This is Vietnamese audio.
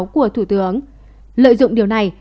của thủ tướng lợi dụng điều này